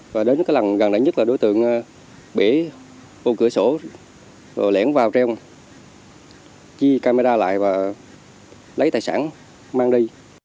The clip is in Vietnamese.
và đến cái lần gần đánh nhất là đối tượng bể vô cửa sổ lẻn vào treo chi camera lại và lấy tài sản mang đi